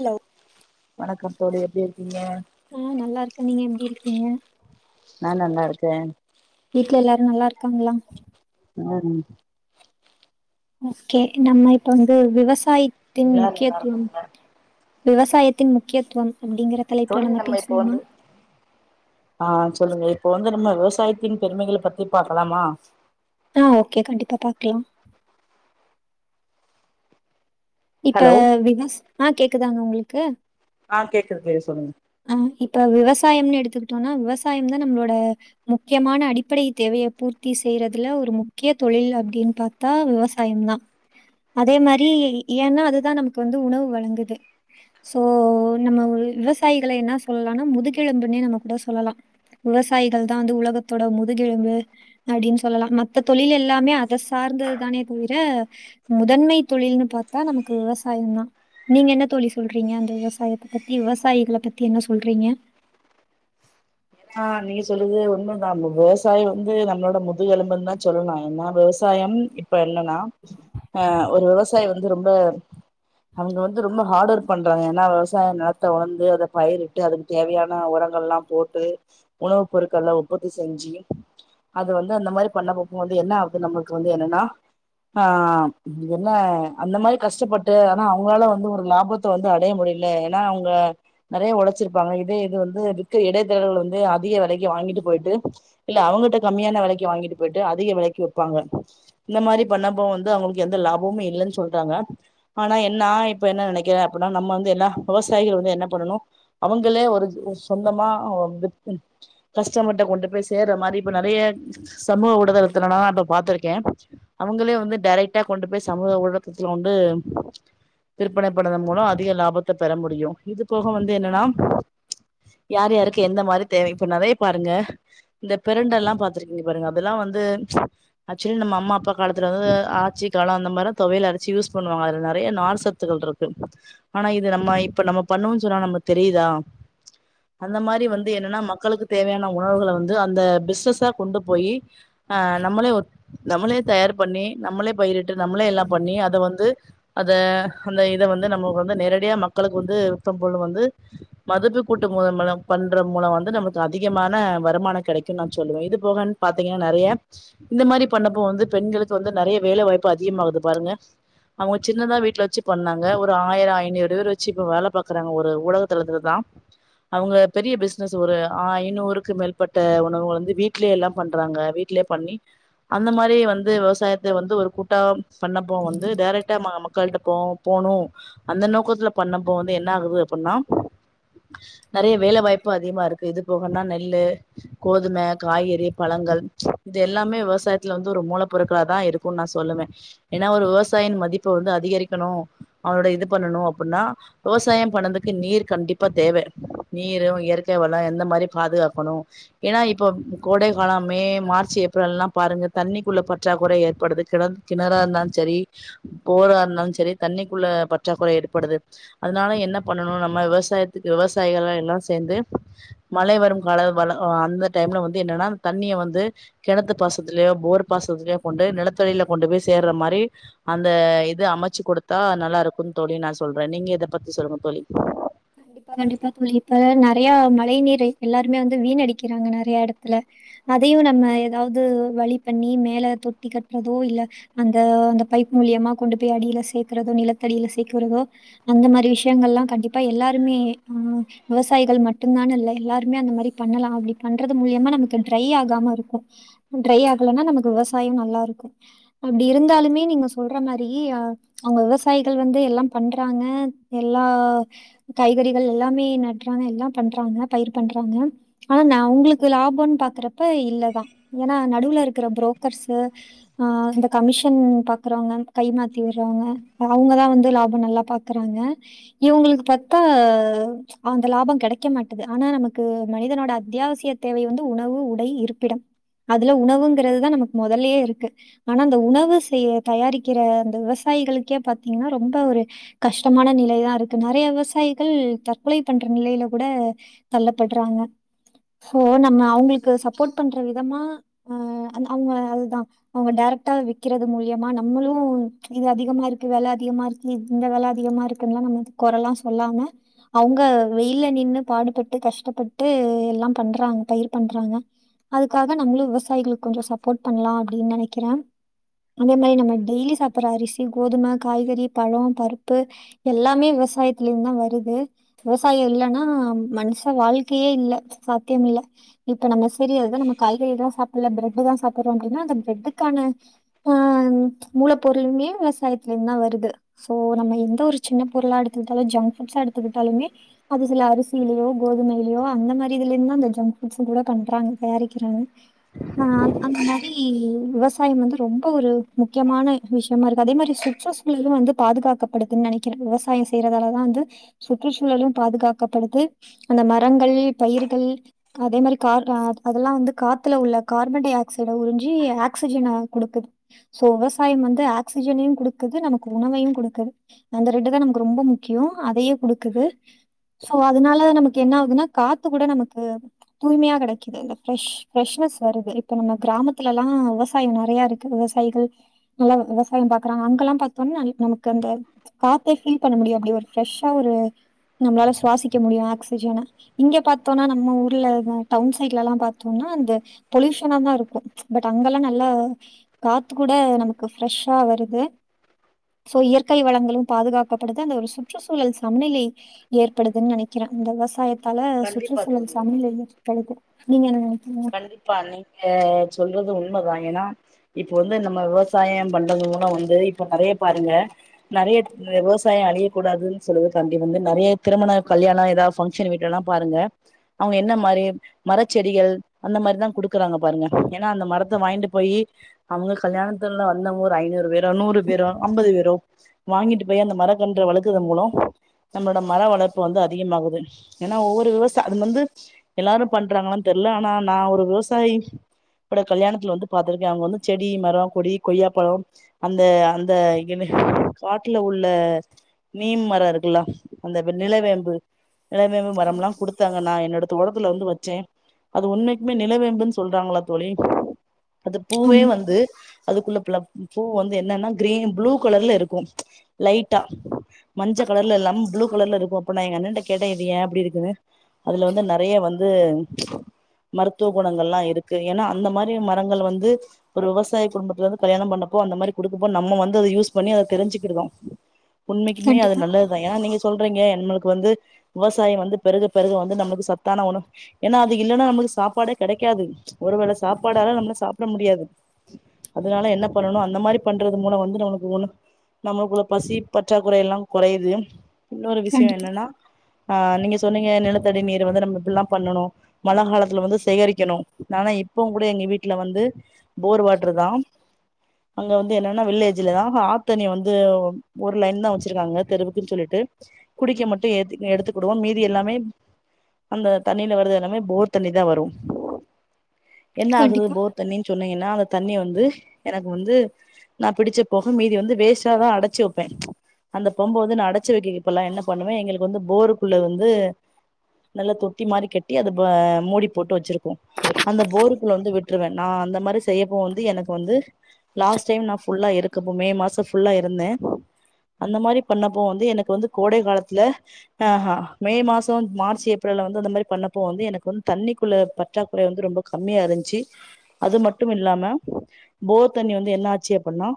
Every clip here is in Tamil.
ஹலோ வணக்கம் தோடி எப்டி இருக்கீங்க ஆ நல்லா இருக்கே நீங்க எப்டி இருக்கீங்க நா நல்லா இருக்க வீட்ல எல்லாரு நல்லா இருக்காங்களா [unintelligible] ஓக்கே நம்ம இப்ப வந்து விவசாயத்தின் எல்லாரு நல்லா முக்கியத்துவம் இருக்காங்க விவசாயத்தின் முக்கியத்துவம் அப்டிங்கிற தோழி தலைப்புல நம்ம இப்ப பேசுவோம்மா வந்து ஆ சொல்லுங்க இப்ப வந்து நம்ம விவசாயத்தின் பெருமைகள பத்தி பாக்கலாமா ஆ ஓகே கண்டிப்பா பாக்கலா இப்ப ஹலோ விவஸ் ஆ கேக்குதாங்க உங்குளுக்கு ஆ கேக்குது தோழி சொல்லுங்க ஆ இப்ப விவசாயம்னு எடுத்துக்கிட்டோம்னா விவசாயம்தா நம்மளோட முக்கியமான அடிப்படை தேவையை பூர்த்தி செய்யறதுல ஒரு முக்கிய தொழில் அப்டின் பா த்தா விவசாயந்தான் அதே மாரி ஏனா அதுதான் நமக்கு வந்து உணவு வழங்குது சோ நம்ம விவசாயிகள என்ன சொல்லலானா முதுகெலும்புண்ணே நம்ம கூட சொல்லலா விவசாயிகள்தான் வந்து உலகத்தோட முதுகெலும்பு அப்படின்னு சொல்லலா மத்த தொழில் எல்லாமே அத சார்ந்ததுதானே தவிர முதன்மை தொழில்னு பாத்தா நமக்கு விவசாயந்தான் நீங்க என்ன தோழி சொல்றீங்க அந்த விவசாயத்த பத்தி விவசாயிகள பத்தி என்ன சொல்றீங்க ஆ நீ சொல்லுது உண்மதான் போ விவசாயம் வந்து நம்மளோட முதுகெலும்புன்னுதான் சொல்லலா ஏனா விவசாயம் இப்ப என்னன்னா ஆ ஒரு விவசாயி வந்து ரொம்ப அவங்க வந்து ரொம்ப ஹார்ட் ஒர்க் பண்றாங்க ஏன்னா விவசாயம் நெலத்த வந்து அத பயிரிட்டு அதுக்கு தேவையான உரங்கள் எல்லா போட்டு உணவுப் பொருட்கள உற்பத்தி செஞ்சி அது வந்து அந்த மாரி பண்ண போப்போம்து என்ன ஆகுது நம்மளுக்கு வந்து என்னன்னா ஆ என்ன அந்த மாரி கஷ்டப்பட்டு ஆனா அவங்களால வந்து ஒரு லாபத் இப்ப வந்து அடைய முடியல ஏனா அவுங்க நெறையா உழைச்சிருப்பாங்க இதே இது வந்து இடைத்தேர்கள் வந்து அதிக வெலைக்கி வாங்கிட்டு போயிட்டு இல்ல அவங்கட்ட கம்மியான வெலைக்கு வாங்கிட்டு போயிட்டு அதிக வெலைக்கு விப்பாங்க இந்த மாரி பண்ணப்போ வந்து அவங்களுக்கு எந்த லாபமு இல்லென்னு சொல்டாங்க ஆனா என்ன நா இப்ப என்ன நெனைக்கிறே அப்படின்னா நம்ம வந்து எல்லா விவசாயிகள் வந்து என்ன பண்ணனு அவுங்ளே ஒரு சொந்தமா வி கஷ்டமர் கிட்ட கொண்டு போய் சேர்ற மாரி இப்ப நெறைய சமூக ஊடதலத்துல நா இப்ப பாத்திருக்கேன் அவங்களே வந்து டெரெக்ட்டா கொண்டு போய் சமூக ஊடகத்துல வந்து விற்பனை பண்றதன் மூலோ அதிக லாபத்த பெற முடியு இது போக வந்து என்னனா யார் யாருக்கு எந்த மாரி தேவை இப்ப நெறையா பாருங்க இந்த பிரண்டெ எல்லா பாத்திருக்கீங்க பாருங்க அதெல்லா வந்து ஆக்சுலி நம்ம அம்மா அப்பா காலத்துலிந்து ஆச்சி காலோ அந்த மாரி தொவையல் அரச்சு யூஸ் பண்ணுவாங்க அதுல நெறையா நார் சத்துகள் இரு ஆனா இது நம்ம இப்ப நம்ம பண்ணுவோனு சொன்னா நம்ம தெரியுதா அந்த மாரி வந்து என்னனா மக்களுக்கு தேவையான உணவுகள வந்து அந்த பிஸ்னஸா கொண்டு போயி ஆ நம்மளே ஒ நம்மளே தயார் பண்ணி நம்மளே பயிரிட்டு நம்மளே எல்லா பண்ணி அத வந்து அத அந்த இத வந்து நம்மளுக்கு வந்து நேரடியா மக்களுக்கு வந்து யுத்தம்போல் வந்து மதிப்பு கூட்டும்போது மேடம் பண் ற மூலோ வந்து நமக்கு அதிகமான வருமானம் கெடைக்கும்னு நா சொல்லுவே இது போகன்னு பாத்தீங்கன்னா நெறைய இந்த மாரி பண்ணப்போ வந்து பெண்களுக்கு வந்து நறைய வேலை வாய்ப்பு அதிகமாகுது பாருங்க அவங்க சின்னதா வீட்டுல வச்சு பண்ணாங்க ஒரு ஆயிரோ ஐநூறு பேர் வச்சு இப்ப வேல பாக்குறாங்க ஒரு ஊடகத்தலத்துல தா அவுங்க பெரிய பிசினஸ் ஒரு ஐநூறுக்கு மேற்பட்ட உணவுகள வந்து வீட்லயே எல்லா பண்றாங்க வீட்லயே பண்ணி அந்த மாரி வந்து விவசாயத்த வந்து ஒரு கூட்டா பண்ணப்போ வந்து டைரக்ட் ட்டு மக்கள்ட்ட போ போணு அந்த நோக்கத்துல பண்ணப்போ வந்து என்ன ஆகுது அப்டின்னா நெறையா வேலை வாய்ப்பு அதிகமா இருக்கு இது போகன்னா நெல்லு கோதும, காய்கறி, பழங்கள் இது எல்லாமே விவசாயத்துல வந்து ஒரு மூலப் பொருட்களாதான் இருக்குனு நா சொல்லுவேன் ஏன்னா ஒரு விவசாயின் மதிப்ப வந்து அதிகரிக்கணு அவனோட இது பண்ணணு அப்டின்னா விவசாயம் பண்ணதுக்கு நீர் கண்டிப்பா தேவ நீரு இயற்கை வளோ எந்த மாரி பாதுகாக்கணு ஏன்னா இப்ப கோடை காலம் மே மார்ச் ஏப்ரல்லா பாருங்க தண்ணிக்குள்ள பற்றாக்குறை ஏற்படுது கிட கிணறா இருந்தாலு சரி போரா இருந்தாலு சரி தண்ணிக்குள்ள பற்றாக்குறை ஏற்படுது அதனால என்ன பண்ணணு நம்ம விவசாயத்துக்கு விவசாயிகளா எல்லா சேந்து மழை வரும் கால வல ஓ அ அந்த டைம்ல வந்து என்னன்னா தண்ணிய வந்து கெணத்து பாசத்துலயோ போர் பாசத்துலயோ கொண்டோய் நிலத்தடியியில கொண்டு போய் சேர்ற மாரி அந்த இது அமச்சு கொடுத்தா நல்லா இருக்குன் தோழி நா சொல்றே நீங்க இத பத்தி சொல்லுங்க தோழி இப்ப கண்டிப்பா தோழி இப்ப நறைய மழை நீீர் எல்லாருமே வந்து வீண் அடிக்கிறாங்க நறைய எடத்ல அதையு நம்ம ஏதாவது வழி பண்ணி மேல தொட்டி கட்றதோ இல்ல அந்த அந்த பைப் மூலியமா கொண்டு போய் அடியில சேர்க்கறதோ நிலத்தடியில சேர்க்கறதோ அந்த மாரி விஷயங்கள் எல்லா கண்டிப்பா எல்லாருமே ஆ விவசாயிகள் மட்டுந்தானு இல்ல எல்லாருமே அந்த மாரி பண்ணலா அப்டி பண்றது மூலியமா நமக்கு ட்ரை ஆகாம இருக்கு ட்ரை ஆகலன்னா நமக்கு விவசாயம் நல்லா இருக்கு அப்டி இருந்தாலுமே நீங்க சொல்ற மாரிஇஅ அவுங்க விவசாயிகள் வந்து எல்லாம் பண்றாங்க எல்லா காய்கறிகள் எல்லாமே நட்றாங்க எல்லாம் பண்றாங்க பயிர் பண்றாங்க ஆனா நா உங்களுக்கு லாபன் பாக்குறப்ப இல்லதா ஏன்னா நடுவுல இருக்கிற புரோக்கர்ஸ்சு ஆ இந்த கமிஷன் பாக்குறவங்க கை மாத்தி விடுறவங்க அவங்கதா வந்து லாபம் நல்லா பா இருக்கறாங்க இவுங்களுக்கு பத்தா அந்த லாபோ கிடைக்க மாட்டது ஆனா நமக்கு மனிதனோட அத்தியாவசிய தேவை வந்து உணவு உடை இருப்பிடம் அதுல உணவுங்கிறதுதா நமக்கு மொதலயே இருக்கு ஆனா அந்த உணவு செய்ய தயாரிக்கிற அந்த விவசாயிகளுக்கே பாத்தீங்ன்னா ரொம்ப ஒரு கஷ்டமான நிலை தா இருக்கு நெறைய வேர் விவசாயிகள் தற்கொலை பண்ற நிலையில கூட தள்ளப்படுறாங்க சோ நம்ம அவங்களுக்கு சப்போர்ட் பண்ற விதமா அவங்க அதுதா அவுங்க டேரக்ட்டாவ விக்கிறது மூலியமா நம்மளு இது அதிகமா இருக்கு வெல அதிகமா இருக்கு இந்த வெல அதிகமா இருக்குனுன்லா நம்ம குறைலா சொல்லாம அவுங்க வெயில நின்னு பாடுபட்டு கஷ்டப்பட்டு எல்லாம் பண்றாங்க பயிர் பண்றாங்க அதுக்காக நம்மளு விவசாயிகளுக்கு கொஞ்சோ சப்போர்ட் பண்லா அப்டின் நெனக்கிறே அந்த மாரி நாம டெய்லி சாப்புட்ற அரிசி கோதும காய்கறி பழோ பருப்பு எல்லாமே விவசாயத் அங்கிருந்தா வருது விவசாயம் இல்லன்னா மனுஷ வாழ்க்கையே இல்ல சாத்தியம் மில்ல இப்ப நம்ம செரியதா நம்ம காய்கறி எல்லா சாப்பில பிரெட்டு தா சாப்புறோ அப்டினா அந்த பிரெட்டுக்கான ஓ அன் மூலப்பொருளுமே விவசாயத்திலேந்துதா வருது சோ நம்ம எந்த ஒரு சின்ன பொருளா எடுத்துக்கிட்டாலு ஜங்க் ஃபுட்ஸ்ஸா எடுத்துக்கிட்டாலுமே அது சில அரிசிலயோ கோதுமையிலேயோ அந்த மாதிரிதுலே இருந்து அந்த ஜங்க்ஃபுட்ஸும் கூட கண்றாங்க தயாரிக்கிறாங்க நான் அந்த மாரி விவச விவசாயம் வந்து ரொம்ப ஒரு முக்கியமான விஷயமா இருக்கு அதே மாரி சுற்றுச்சூழல் வந்து பாதுகாக் ப்படுதுன் நினைக்கிற விவசாயம் செய்யறதல தா வந்து சுற்றுச்சூழலு பாதுகாக்கப்படுது அந்த மரங்கள் பயிர்கள் அதே மாரி கார்டா அதெல்லா வந்து காத்துல உள்ள கார்பன்-டை- ஆக்சைட உறிஞ்சி ஆக்சிஜன கொடுக்குது சோ விவசாயம் வந்து ஆக்சிஜனையும் கொடுக்குது நமக்கு உணவையும் கொடுக்குது அந்த ரெண்டு தா நமக் ரொம்ப முக்கியோ அதையே குடுக்குது சோ அதனால நமக்கு என்ன ஆகுதுனா காத்து கூட நமக்கு தூய்மையா கெடைக்குது பிரெஷ் பிரெஷ்னஸ் வருது இப்ப நம்ம கிராமத்துலல்லா வெவசாயம் நெறைய இருக் விவசாயிகள் நல்ல விவசாயம் பாக்குறாங்க அங்கல்லாம் பாத்தோம் நாளைக் நமக்கு அந்த காத்தே ஃபி பண்ண முடியு அப்டி ஒரு ப்ரெஷ்ஷா ஒரு நம்மளால சுவாசிக்க முடியு ஆக்சிஜன இங்க பாத்தோனா நம்ம ஊர்ல அதுதாய் டவுன் சைடுல எல்லா பாத்தோனா அந்த பொல்யூஷன தா இருக்கு பட் அங்கெல்லா நல்ல காத்து கூட நமக்கு ப்ரெஷ்ஷா வருது சோ இயற்கை வளங்களும் பாதுகாக் அப்டிதா இந்த ஒரு சுற்றுச்சூழல் சம்நிலை ஏற்படுதுன் நெனைக்கிற இந்த விவசாயத் தல கண்டிப்பா சுற்றுச்சூழல் தோழி சமையல் [inaudible] கடைக்கும் நீங்க என்ன நெனைக்கீங்க கண்டிப்பா நீங்க சொல்றது உண்மதா ஏன்னா இப்ப வந்து நம்ம விவசாயம் பண்றது மூலோ வந்து இப்ப நிறைய பாருங்க நெறையத் விவசாயோ அளியக்கூடாதுன்னு சொல்லுது காண்டி வந்து நெறைய திருமண கல்யாண ஏதாவது ஃபங்க்ஷன் வீட்டுல எல்லா பாருங்க அவங்க என்ன மாரி மரச்செடிகள் அந்த மாரிதா குடுக்குறாங்க பாருங்க ஏன்னா அந்த மரத்த வாங்கிட்டு போயி அவங்க கல்யாணத்துல வந்தவங்க ஒரு ஐநூறு பேரோ நூறு பேரோ ஐம்பது பேரோ வாங்கிட்டு போய் அந்த மர கன்ற வளக்குத மூலோ நம்மளோட மர வளர்ப்பு வந்து அதிகமாககுது ஏன்னா ஒவ்வொரு விவசா அது வந்து எல்லாரு பண்றாங்களன் தெர்ல ஆனா நா ஒரு விவசாயி பட கல்யாணத்துல வந்து பாத்திருக்க அவங்க வந்து செடி மரம் கொடி கொய்யாப்பழம் அந்த அந்த என காட்டுல உள்ள நீம் மரம் இருக்குல்ல அந்த வி நிலவேம்பு நிலவேம்பு மரம்லா குடுத்தாங்க நா என்னோட தோட்டத்துல வந்து வச்சே அது உண்மைக் மே நிலவேம்புன்னு சொல்றாங்களா தோழி அது பூவே ஆமா. வந்து அதுக்குள்ள பிளப் பூ வந்து என்னன்னா கிரீன் ப்ளூ கலர்ல இருக்கு ம்ச் லைட்டா மஞ்ச கலர்ல இல்லாம ப்ளூ கலர்லருக்கு அப்போ நா எங்க அண்ணன்ட்ட கேட்டே இது ஏன் அப்படி இருக்குன்னு அதுல வந்து நெறைய வந்து ம்ச் மருத்துவ குணங்கள்லா இருக்கு ஏன்னா அந்த மாரி மரங்கள் வந்து ஒரு விவசாய குடும்பத்துலந்து கல்யாணம் பண்ணப்போ அந்த மாரி குடுக்கப்போ நம்ம வந்து அத யூஸ் பண்ணி அத தெரிஞ்சுக்கிடுதோ [inaudible] உண்மைக்குமே அது கண்டிப்பா, நல்லத் அத எ நீங்க சொல்றீங்க நம்மளுக்கு வந்து விவசாயம் வந்து பெருக பெருக வந்து நமக்கு சத்தான உணவு ஏன்னா அது இல்லன்னா நம்பளுக்கு சாப்பாடே கெடைக்காது ம்ச் ஒரு வேள சாப்பாடால நம்மள சாப்பிட முடியாது அதனால என்ன பண்ணணு அந்த மாரி பண்றது மூலோ வந்து நம்மளுக்கு உண்னு நம்மளுக்குள்ள பசி பற்றாக்குறைலா கொறையுது இன்னொரு விஷயம் கண்டிப்பா, என்னன்னா அ நீங்க சொன்னீங்க நிலத்தடி நீர வந்து நம்ம இப்புல்லா பண்ணனு மழ காலத் இதுல வந்து சேகரிக்கணு ஆனா இப்பவு கூட எங்க வீட்டுல வந்து போர் வாட்டரு தா அங்க வந்து என்னன்னா வில்லேஜ்லதா ஆத்தண்ணி வந்து ஒரு லைன் தா வச்சிருக்காங்க தெருவுக்குன்னு சொல்லிட்டு குடிக்க மட்டும் ஏது எடுத்துக்கிடுவோ மீதி எல்லாமே அந்த தண்ணியில வருது எல்லாமே போர் தண்ணி தா வரு என்ன ஆகுது கண்டிப்பா. போர் தண்ணின்னு சொன்னீங்கன்னா அந்த தண்ணி வந்து எனக்கு வந்து நா பிடிச்ச போக மீதி வந்து வேஸ்ட்டாதா அடைச்சு வைப்பே ம்ச் அந்த பொம்ப வந்து நா அடச்சு வைக்க இப்பல்லா என்ன பண்ணுவ எங்களுக்கு வந்து போருக்குள்ள வந்து நல்லா தொட்டி மாரி கட்டி அதுபா மூடி போட்டு வச்சிருப்போ அந்த போருக்குள்ள வந்து விட்ருவே நா அந்த மாரி செய்யப்போ வந்து எனக்கு வந்து லாஸ்ட் டைம் நா ஃபுல்லா இருக்குப்போ மே மாசோ ஃபுல்லா இருந்தே அந்த மாரி பண்ணப்போ வந்து எனக்கு வந்து கோடை காலத்துல அஹா மே மாசோ மார்ச் ஏப்ரல்ல வந்து அந்த மாரி பண்ணப்போ வந்து எனக்கு வந் தண்ணிக்குள்ள பற்றாக்குறை வந்து ரொம்ப கம்மியா இருந்துச்சு அது மட்டு இல்லாம போர் தண்ணி வந்து என்ன ஆச்சு அப்பன்னா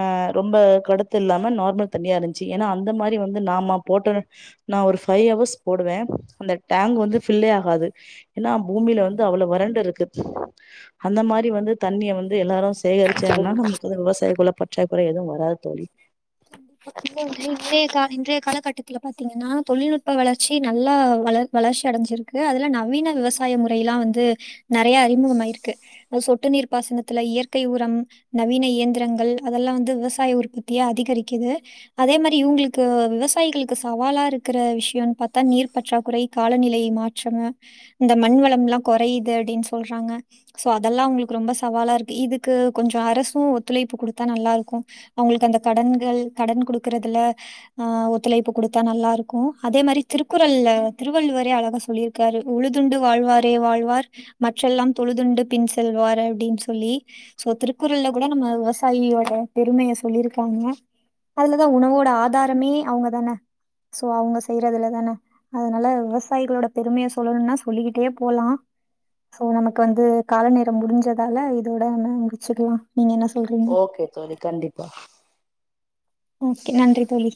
அ ரொம்ப கடுத்து இல்லாம நார்மல் தண்ணியா இருந்துச்சு ஏன்னா அந்த மாரி வந்து நாம போட்டன்னு நா ஒரு ஃபைவ் ஹவர்ஸ் போடுவே அந்த டேங்க் வந்து ஃபில்லே ஆகாது ஏன்னா பூமியில வந்து அவ்வளவு வறண்டு இருக்கு அந்த மாரி வந்து தண்ணிய வந்து இது எல்லாரு சேகரிச்சேன்னா நமக்கு வந்து விவசாயகுள்ள பற்றாக்குறை எதுவு வராது தோழி [inaudible] [inaudible] இன்றைய கா இன்றைய காலகட்டத்துல பாத்தீங்கன்னா தொழில்நுட்ப வளர்ச்சி நல்லா வளர் வளர்ச்சி அடைஞ்சிருக் க்கு அதுல நவீன விவசாய முறையெல்லா வந்து நெறையா அறிமுகமாயிருக்கு அ சொட்டு நீர் பாசனத்துல இயற்கை உரம் நவீன இயந்திரங்கள் அதெல்லா வந்து விவசாய உற்பத்திய அதிகரிக்குது அதே மாரி இவுங்களுக்கு விவசாயிகளுக்கு சவாலா இருக்கிற விஷயனு பாத்தா நீர் பற்றாக்குறை காலநிலை மாற் ச்ங்க இந்த மண்வளம் எல்லா கொறையுது அப்டின் சொல்றாங்க சோ அதெல்லா உங்களுக்கு ரொம்ப சவாலா இருக்கு இதுக்கு கொஞ்சோ அரசு ஒத்துழைப்பு குடுத்தா நல்லா இருக்கு அவுங்களுக்கு அந்த கடன்கள் கடன் குடுக்குறதுல ஆ ஒத்துழைப்பு குடுத்தா நல்லா இருக்கு அதே மாரி திருக்குறள்ல திருவள்ளுவரே அழகா சொல்லிரு காரு உழுதுண்டு வாழ்வாரே வாழ்வார் மற்றெல்லாம் தொழுதுண்டு பின் செல்வார் அப்டின் சொல்லி சோ திருக்குறள்ல கூட நம்ம விவசாயியோட பெருமைய சொல்லிருக் க்காங்க அதுலதான் உணவோட ஆதாரமே அவுங்கதான சோ அவுங்க செய்யறதுலதான அதனால விவசாயிகளோட பெருமைய சொல்லணுனா சொல்லிகிட்டே போலா சோ நமக்கு வந்து கால நேரோ முடிஞ்சதால இதோட நா முட்ச்சுக்கலா நீங்க என்ன சொல்றீங் ஓகே தோழி கண்டிப் ஓகே நன்றி தோழி